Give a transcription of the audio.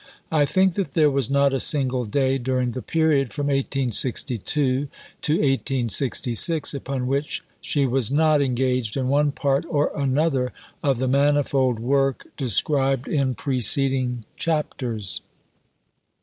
I think that there was not a single day during the period from 1862 to 1866 upon which she was not engaged in one part or another of the manifold work described in preceding chapters.